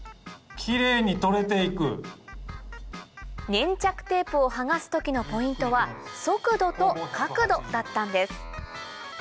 粘着テープを剥がす時のポイントは速度と角度だったんです